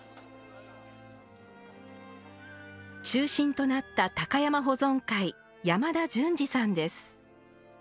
中心となった鷹山保存会山田純司さんです。